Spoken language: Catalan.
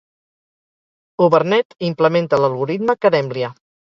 Overnet implementa l'algoritme Kademlia.